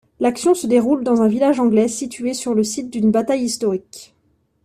L'action se déroule dans un village anglais situé sur le site d'une bataille historique.